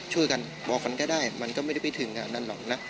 ช่วยกันบอกกันก็ได้มันก็ไม่ได้ไปถึงนั่นหรอกนะ